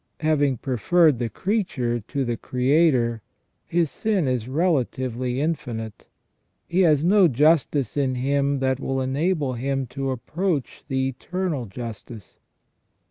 Having preferred the creature to the Creator, his sin is relatively infinite ; he has no justice in him that will enable him to approach the Eternal Justice.